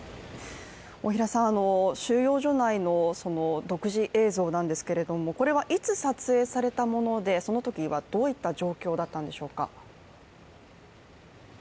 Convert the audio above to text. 収容所内の独自映像なんですけれどもこれはいつ撮影されたもので、そのときはどういった状況だったんでしょうか？